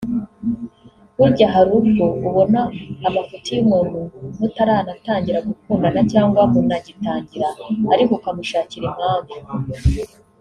Burya hari ubwo ubona amafuti y’umuntu mutaranatangira gukundana cyangwa munagitangira ariko ukamushakira impamvu